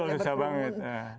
betul susah banget